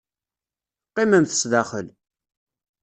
Qqimemt zdaxel.